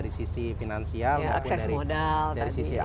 jadi untuk mengkonversi ini kan harus ada effort baik dari sisi finansial